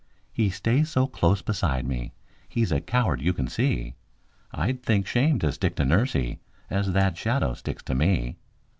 He stays so close beside me, he's a coward you can see; I'd think shame to stick to nursie as that shadow sticks to me!